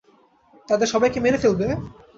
তাদের সবাইকে মেরে ফেলবে?